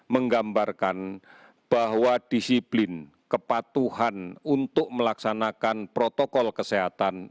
menggambarkan bahwa disiplin kepatuhan untuk melaksanakan protokol kesehatan